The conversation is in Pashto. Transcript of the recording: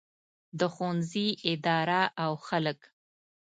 د ښوونځي اداره او خلک.